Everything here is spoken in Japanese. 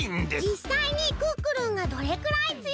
じっさいにクックルンがどれくらいつよいのか